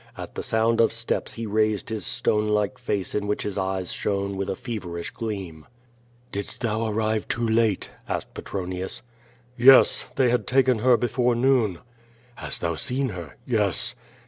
At the sound of steps he raised his stone like face in which his eyes shone with a feverish gleam. » >9 3y5 QUO VADIS. "Didst tlioii arrive too late?" asked Petronius. "Yes! They had taken her before noon." *'Hast thou seen her?'' "Yes."